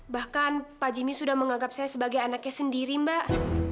bahkan pak jimmy sudah menganggap saya sebagai anaknya sendiri mbak